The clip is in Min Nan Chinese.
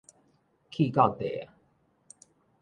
氣到地仔